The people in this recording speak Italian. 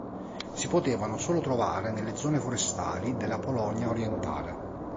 Si potevano solo trovare nelle zone forestali della Polonia orientale.